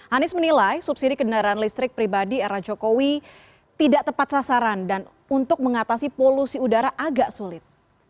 anies menilai subsidi kendaraan listrik pribadi era jokowi tidak tepat sasaran dan untuk mengatasi polusi udara agak sulit